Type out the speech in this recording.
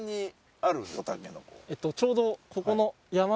ちょうどここの。